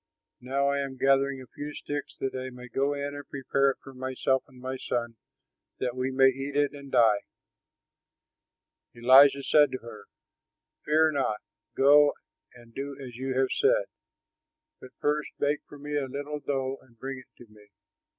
Now I am gathering a few sticks, that I may go in and prepare it for myself and my son, that we may eat it and die." Elijah said to her, "Fear not; go and do as you have said, but first bake for me a little dough and bring it to me.